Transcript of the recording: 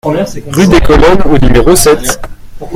Rue des Colonnes au numéro sept